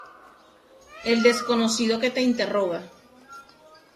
El desconocido que te interroga.